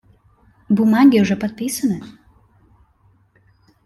Бумаги уже подписаны.